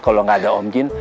kalau enggak ada om jin